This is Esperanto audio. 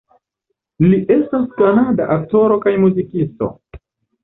Li estas kanada aktoro kaj muzikisto.